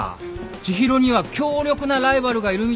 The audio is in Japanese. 知博には強力なライバルがいるみたいじゃないか。